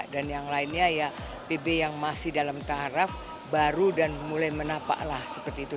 dan yang lainnya ya pb yang masih dalam taraf baru dan mulai menapaklah seperti itu